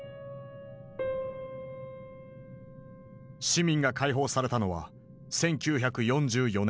市民が解放されたのは１９４４年１月。